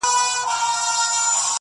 که هر څو درانه بارونه چلومه-